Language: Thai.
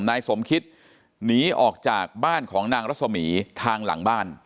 นายสมคิตหนีออกจากบ้านของนางรัศมีทางหลังบ้าน